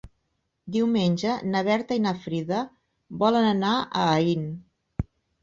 Diumenge na Berta i na Frida volen anar a Aín.